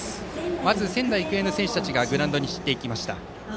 まず仙台育英の選手たちがグラウンドに散っていきました。